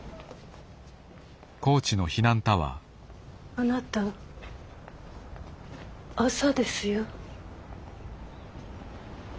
あなた朝ですよ。